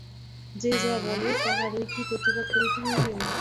যে যা বলে তাহারই কি প্রতিবাদ করিতে হইবে।